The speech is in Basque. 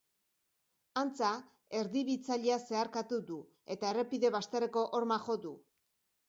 Antza, erdibitzailea zeharkatu du, eta errepide bazterreko horma jo du.